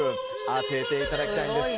当てていただきたいんです。